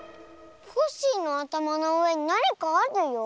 コッシーのあたまのうえになにかあるよ。